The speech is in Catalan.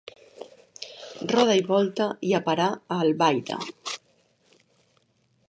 Roda i volta i a parar a Albaida.